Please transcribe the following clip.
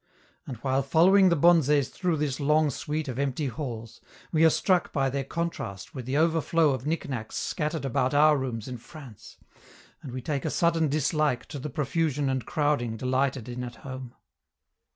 And while following the bonzes through this long suite of empty halls, we are struck by their contrast with the overflow of knickknacks scattered about our rooms in France, and we take a sudden dislike to the profusion and crowding delighted in at home.